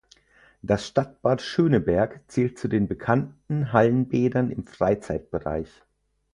Das Stadtbad Schöneberg zählt zu den bekannten Hallenbädern im Freizeitbereich.